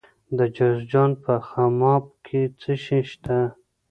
د جوزجان په خماب کې څه شی شته؟